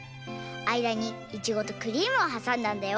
あいだにイチゴとクリームをはさんだんだよ。